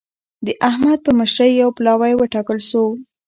د احمد په مشرۍ يو پلاوی وټاکل شو.